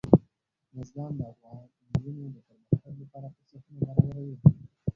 بزګان د افغان نجونو د پرمختګ لپاره فرصتونه برابروي.